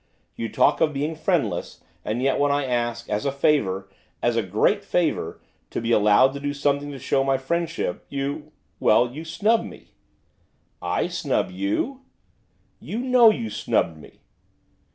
You talk of being friendless, and yet when I ask, as a favour as a great favour! to be allowed to do something to show my friendship, you well, you snub me.' 'I snub you!' 'You know you snubbed me.